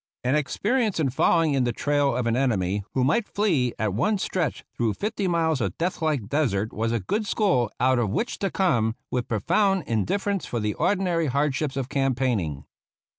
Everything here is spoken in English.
An ex perience in following in the trail of an enemy who might flee at one stretch through fifty miles of death like desert was a good school out of which to come with profound indifference for the ordi nary hardships of campaigning.